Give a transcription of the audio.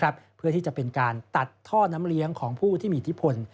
เพื่อที่จะเป็นการตัดท่อน้ำเลี้ยงของผู้ที่มีอิทธิพล